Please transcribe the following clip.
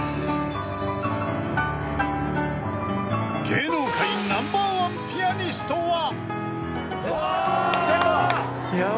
［芸能界ナンバーワンピアニストは？］